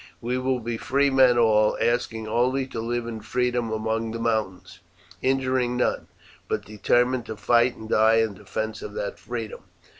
We will be free men all, asking only to live in freedom among the mountains, injuring none, but determined to fight and die in defence of that freedom."